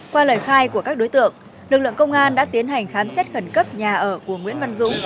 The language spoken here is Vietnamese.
qua lời khai của các đối tượng lực lượng công an đã tiến hành khám xét khẩn cấp nhà ở của nguyễn văn dũng